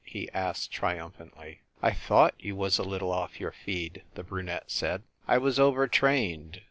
he asked triumphantly. "I thought you was a little off your feed," the brunette said. "I was overtrained.